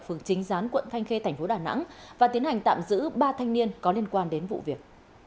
phường chính gián quận thanh khê thành phố đà nẵng và tiến hành tạm giữ ba thanh niên có liên quan đến vụ việc